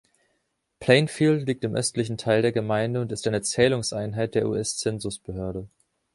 Plainfield liegt im östlichen Teil der Gemeinde und ist eine Zählungseinheit der US-Censusbehörde.